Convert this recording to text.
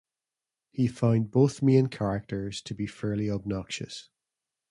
He found both main characters to be "fairly obnoxious".